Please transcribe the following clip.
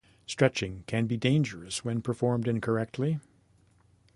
Stretching can be dangerous when performed incorrectly.